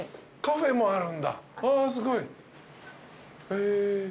へぇ。